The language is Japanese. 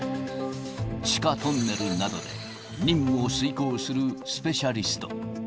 地下トンネルなどで任務を遂行するスペシャリスト。